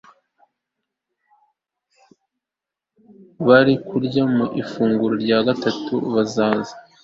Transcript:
bari kurya ku ifunguro rya gatatu bazaba